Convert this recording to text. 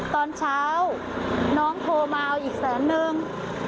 ตอนเช้าน้องโทรมาเอาอีกแสนนึง